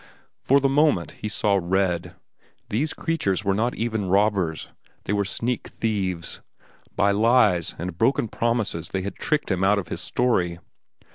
For the moment he saw red. These creatures were not even robbers. They were sneak thieves. By lies and broken promises they had tricked him out of his story.